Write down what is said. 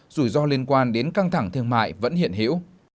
rủi ro liên quan đến căng thẳng thương mại vẫn hiện hiểu